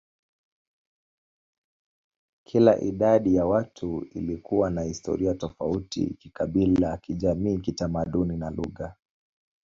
Kila idadi ya watu ilikuwa na historia tofauti kikabila, kijamii, kitamaduni, na lugha.